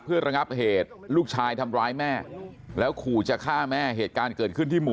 เพื่อระงับเหตุลูกชายทำร้ายแม่แล้วขู่จะฆ่าแม่เหตุการณ์เกิดขึ้นที่หมู่